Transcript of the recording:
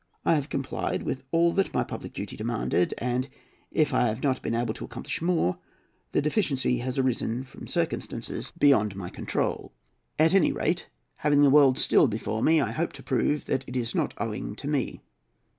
I have complied with all that my public duty demanded, and, if I have not been able to accomplish more, the deficiency has arisen from circumstances beyond my control. At any rate, having the world still before me, I hope to prove that it is not owing to me.